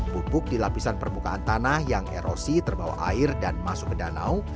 pupuk di lapisan permukaan tanah yang erosi terbawa air dan masuk ke danau